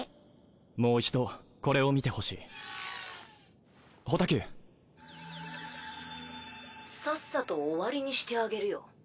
もう１度これを見て欲しいホタキューさっさと終わりにしてあげるよ